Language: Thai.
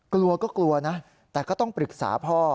กลัวก็กลัวนะแต่ก็ต้องปรึกษาพ่อ